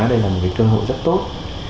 đây là một cơ hội rất tốt